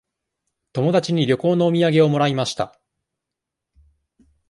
友達に旅行のお土産をもらいました。